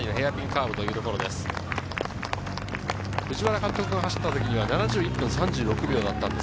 藤原監督が走った時には７１分３６秒でした。